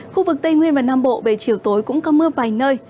khu vực tây nguyên và nam bộ về chiều tối cũng có mưa vài nơi